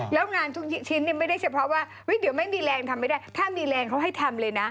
แล้วงานทุกชิ้นไม่ได้เฉพาะว่าเดี๋ยวไม่มีแรงทำไม่ได้ถ้ามีแรงเขาให้ทำเลยนะ